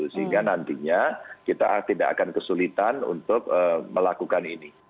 sehingga nantinya kita tidak akan kesulitan untuk melakukan ini